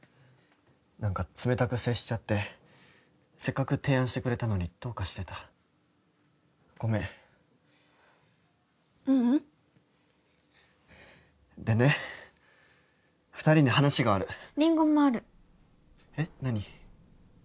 何か冷たく接しちゃってせっかく提案してくれたのにどうかしてたごめんううんでね２人に話があるりんごもあるえっ何？